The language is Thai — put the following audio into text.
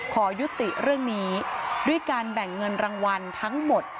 ขอยุติเรื่องนี้ด้วยการแบ่งเงินรางวัลทั้งหมด